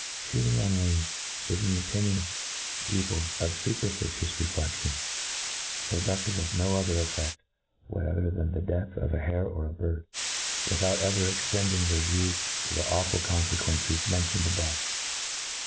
Shooting on wing is, in the opi nion of people of fuperficial refledlioji, produc tive of no other effeft whatever than the ^eath of a hare or of a bird, without ever extending their views to the aweful confequences mentioned a bove.